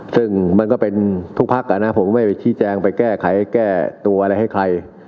ซึ่งมันก็เป็นทุกพักอ่ะนะผมไม่ไปชี้แจงไปแก้ไขแก้ตัวอะไรให้ใคร